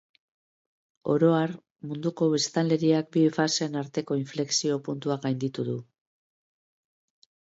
Oro har, munduko biztanleriak bi faseen arteko inflexio-puntua gainditu du.